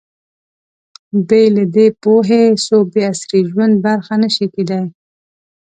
بې له دې پوهې، څوک د عصري ژوند برخه نه شي کېدای.